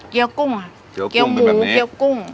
เกี๊ยวกุ้งมีเกี๊ยวหมูเกี๊ยวกุ้ง